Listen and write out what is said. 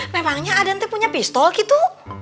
memangnya ada nanti punya pistol gitu